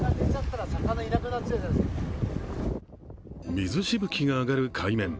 水しぶきが上がる海面。